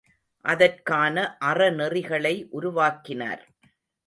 அதற்கான அறநெறிகளை உருவாக்கினார்.